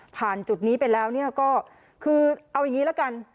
จุดนี้ไปแล้วเนี่ยก็คือเอาอย่างนี้ละกัน